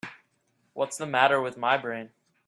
What's the matter with my brain?